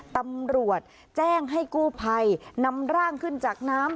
ตำรวจแจ้งให้กู้ภัยนำร่างขึ้นจากน้ำ